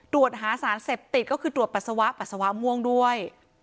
ตรวจหาสารเสพติดก็คือตรวจปัสสาวะปัสสาวะม่วงด้วย